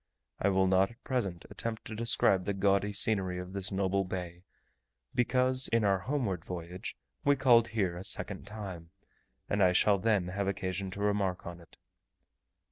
I will not at present attempt to describe the gaudy scenery of this noble bay, because, in our homeward voyage, we called here a second time, and I shall then have occasion to remark on it.